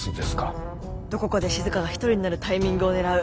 どこかでしずかが一人になるタイミングを狙う。